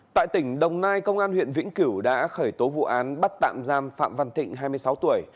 tại tỉnh đồng nai công an huyện vĩnh cửu đã khởi tố vụ án bắt tạm giam phạm văn thịnh hai mươi sáu tuổi